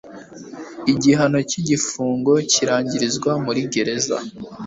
Igihano cy igifungo kirangirizwa muri gereza